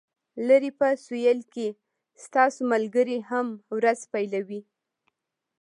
لرې په سویل کې ستاسو ملګري هم ورځ پیلوي